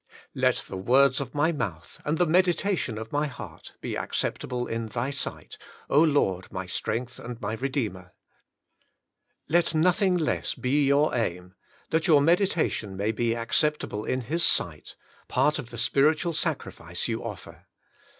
'^ "Let the words of my mouth and the medita tion of my heart, be acceptable in Thy Sight, Lord my Strength and my Redeemer.^^ Let noth ing less be your aim — ^that your meditation may be acceptable in His sight — ^part of the spiritual sacrifice you offer.